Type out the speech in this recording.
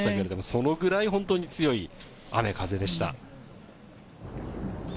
そのぐらい本当に強い雨、風でした。